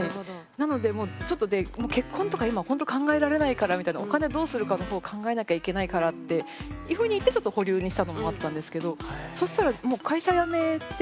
なのでもうちょっとね結婚とか今ほんと考えられないからみたいなお金どうするかの方考えなきゃいけないからっていうふうに言ってちょっと保留にしたのもあったんですけど。